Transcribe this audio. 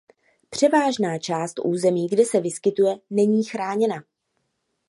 Převážná část území kde se vyskytuje není chráněna.